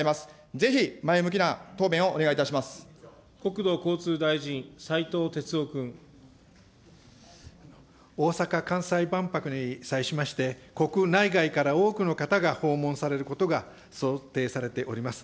ぜひ、前向きな答弁をお願いいた国土交通大臣、大阪・関西万博に際しまして、国内外から多くの方が訪問されることが想定されております。